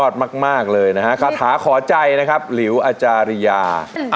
ชิเมเจ้าใดเอาหัวใจเธอมา